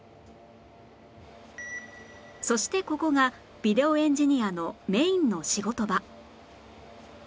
そしてここがビデオエンジニアのメインの仕事場